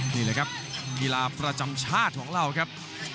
นี่แหละครับกีฬาประจำชาติของเราครับ